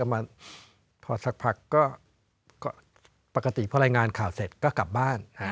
พอสักพักก็ปกติพอรายงานข่าวเสร็จก็กลับบ้าน